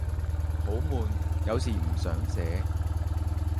好悶，有時唔想寫